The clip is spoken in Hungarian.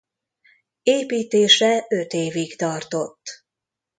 Építése öt évig tartott.